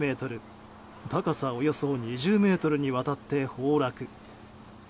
高さおよそ２０ｍにわたって崩落。